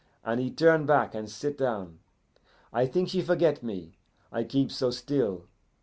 and he turn back, and sit down. I think she forget me, I keep so still.